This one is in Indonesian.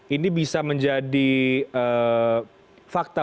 ini bisa menjadi fakta